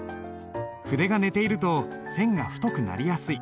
筆が寝ていると線が太くなりやすい。